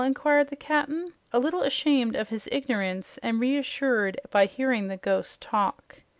inquired the Cap'n, a little ashamed of his ignorance and reassured by hearing the "ghost" talk.